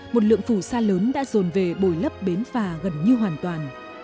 một lượng phù sa lớn đã dồn về bồi lấp bến phà gần như hoàn toàn